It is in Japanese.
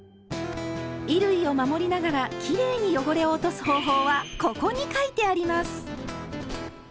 衣類を守りながらきれいに汚れを落とす方法は「ここ」に書いてあります！